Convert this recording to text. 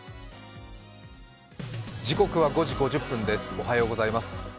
おはようございます。